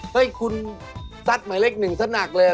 เฮ่ยคุณสัตว์หมายเลขหนึ่งสนักเลย